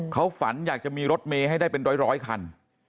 เขาฝันอยากจะมีรถเมย์ให้ได้เป็นร้อยคัน